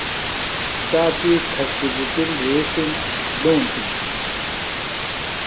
تا تی کھستی بٹُم دھریݜتِم۔ لُونتم ۔